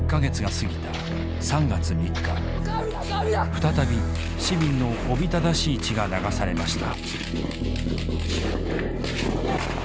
再び市民のおびただしい血が流されました。